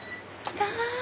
来た！